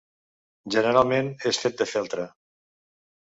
Generalment és fet de feltre.